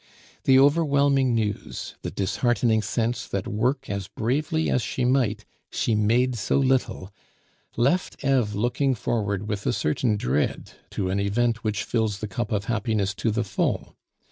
The overwhelming news, the disheartening sense that work as bravely as she might, she made so little, left Eve looking forward with a certain dread to an event which fills the cup of happiness to the full.